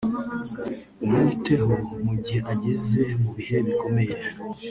umwiteho mu gihe ageze mu bihe bikomeye